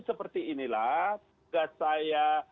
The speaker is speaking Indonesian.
seperti inilah saya